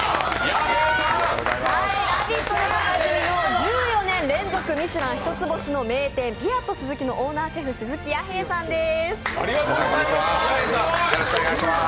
「ラヴィット！」でおなじみの１４年連続ミシュラン一つ星のピアットスズキのオーナーシェフ、鈴木弥平さんです。